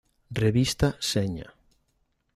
Revista Seña.